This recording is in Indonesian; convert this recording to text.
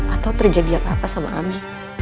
atau terjadi apa apa sama kami